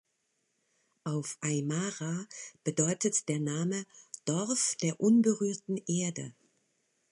Auf Aymara bedeutet der Name „Dorf der unberührten Erde“.